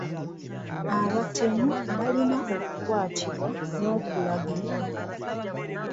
Abatemu balina okukwatibwa n'okulagibwa.